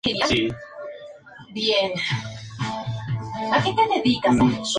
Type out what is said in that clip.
De madera dura, pesada, con diferencias bien marcadas entre albura y duramen.